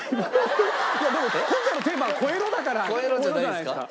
いやでも今回のテーマは「超えろ」だから「超えろ」じゃないんですか？